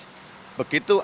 yang siap berangkat kita proses